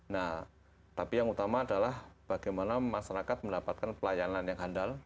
nah tapi yang utama adalah bagaimana masyarakat mendapatkan pelayanan yang handal